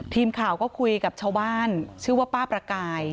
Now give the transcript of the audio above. ทีมข่าวก็คุยกับชาวบ้านชื่อว่าป้าประกาย